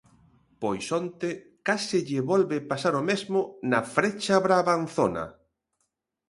Pois onte case lle volve pasar o mesmo na Frecha Brabanzona.